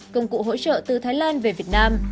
công cụ hỗ trợ từ thái lan về việt nam